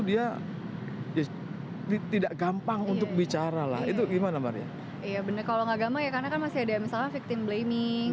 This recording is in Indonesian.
dia tidak gampang untuk bicara lah itu gimana kalau nggak gampang ya karena kan masih ada misalnya victim blaming